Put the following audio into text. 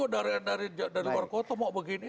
dari luar kota mau begini